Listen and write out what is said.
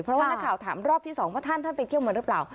เพราะว่านักข่าวถามรอบที่๒ว่าท่านท่านไปเที่ยวมาหรือเปล่า